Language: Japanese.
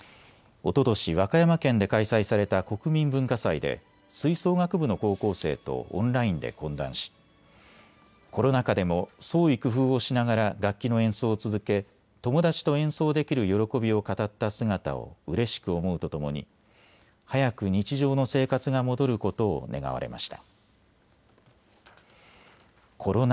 おととし、和歌山県で開催された国民文化祭で吹奏楽部の高校生とオンラインで懇談しコロナ禍でも創意工夫をしながら楽器の演奏を続け、友だちと演奏できる喜びを語った姿をうれしく思うとともに早く日常の生活が戻ることを願われました。